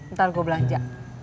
ntar gue belanja